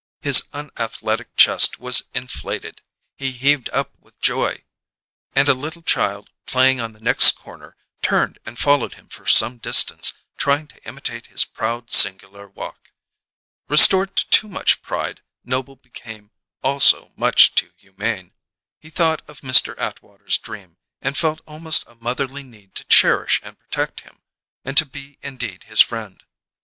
His unathletic chest was inflated; he heaved up with joy; and a little child, playing on the next corner, turned and followed him for some distance, trying to imitate his proud, singular walk. Restored to too much pride, Noble became also much too humane; he thought of Mr. Atwater's dream, and felt almost a motherly need to cherish and protect him, to be indeed his friend.